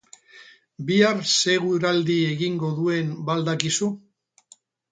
Bihar ze eguraldi egingo duen ba al dakizu?